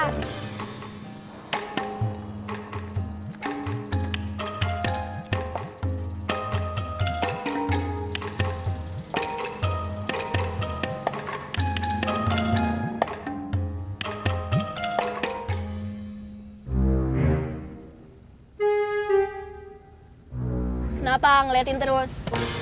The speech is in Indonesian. kenapa ngeliatin terus